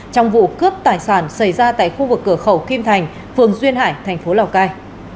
trong vụ cướp tài sản xảy ra tại khu vực cửa khẩu kim thành phường duyên hải thành phố lào cai